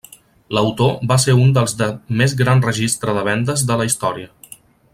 L'autor va ser un dels de més gran registre de vendes de la història.